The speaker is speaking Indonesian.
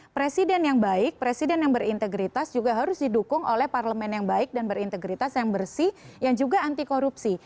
presiden yang baik presiden yang berintegritas juga harus didukung oleh parlemen yang baik dan berintegritas yang bersih yang juga anti korupsi